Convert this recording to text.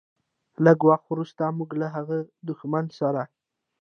لږ وخت وروسته موږ له هغه دښمن سره.